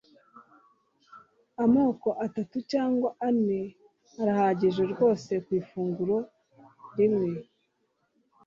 amoko atatu cyangwa ane arahagije rwose ku ifunguro rimwe